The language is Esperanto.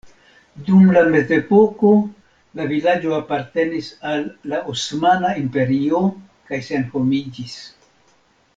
Dum la mezepoko la vilaĝo apartenis al la Osmana Imperio kaj senhomiĝis.